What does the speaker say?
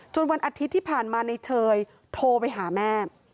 วันอาทิตย์ที่ผ่านมาในเชยโทรไปหาแม่